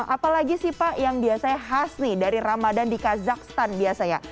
apalagi sih pak yang biasanya khas nih dari ramadan di kazakhstan biasanya